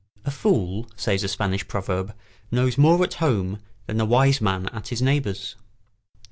A fool, says a Spanish proverb, knows more at home than a wise man at his neighbour's.